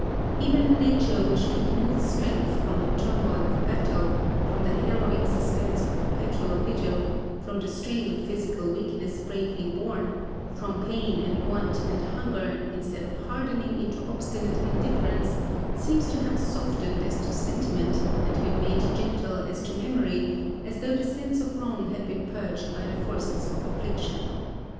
Even a nature which took new strength from the turmoil of battle, from the harrowing suspense of perpetual vigil, from the strain of physical weakness bravely borne, from pain and want and hunger, instead of hardening into obstinate indifference, seems to have softened as to sentiment, and been made gentle as to memory, as though the sense of wrong had been purged by the forces of affliction.